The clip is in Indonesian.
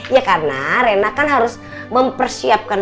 ya karena rena kan harus mempersiapkan